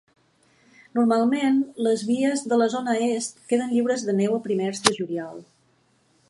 Normalment les vies de la zona est queden lliures de neu a primers de juliol.